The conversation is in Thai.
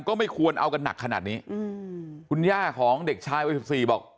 ก็ไม่ควรเอากันหนักขนาดนี้อืมคุณย่าของเด็กชายวัยสิบสี่บอก